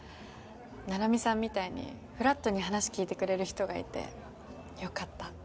菜々美さんみたいにフラットに話聞いてくれる人がいてよかった。